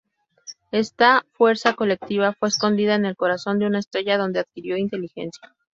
Esta fuerza colectiva fue escondida en el corazón de una estrella donde adquirió inteligencia.